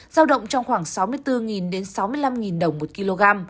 giao động trong khoảng sáu mươi bốn đến sáu mươi năm đồng một kg